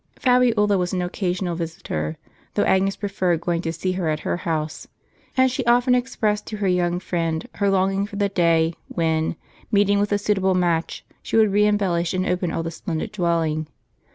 Fabiola was an occasional visitor, though Agnes preferred going to see her at her house ; and she often expressed to her young friend her longing for the day, when, meeting with a suitable match, she would re embellish and open all the splendid dwelling.